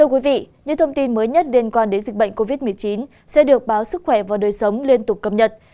thưa quý vị những thông tin mới nhất liên quan đến dịch bệnh covid một mươi chín sẽ được báo sức khỏe và đời sống liên tục cập nhật